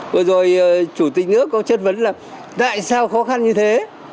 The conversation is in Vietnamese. vừa rồi chủ tịch nước có chất vấn là tại sao khó khăn như thế